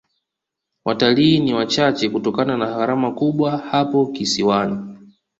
watalii ni wachache kutokana na gharama kubwa hapo kisiwani